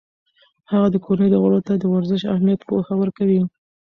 هغه د کورنۍ غړو ته د ورزش اهمیت پوهه ورکوي.